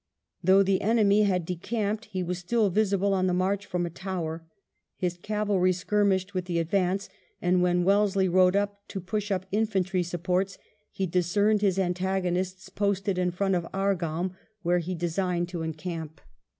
Though the enemy had decamped, he wa« fitiU visible on the march from a tower : his cavalry skirmished with the advance ; and when Wellesley rode out to push up infantry support^, be discerned his antagonists posted in front of Argaum, where he designed to encamp.